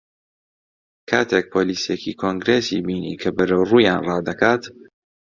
کاتێک پۆلیسێکی کۆنگرێسی بینی کە بەرەو ڕوویان ڕادەکات